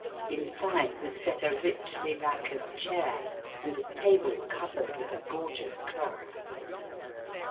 Inside was set a richly lacquered chair and a table covered with a gorgeous cloth.